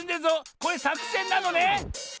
これさくせんなのね？